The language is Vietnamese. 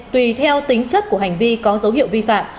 tùy theo tính chất của hành vi có dấu hiệu vi phạm